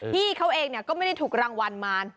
พี่เขาเองก็ไม่ได้ถูกรางวัลมา